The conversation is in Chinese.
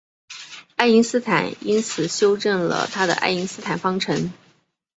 爱因斯坦因此修正了他的爱因斯坦方程。